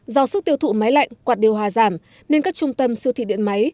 do sức tiêu thụ máy lạnh quạt điều hòa giảm nên các trung tâm siêu thị điện máy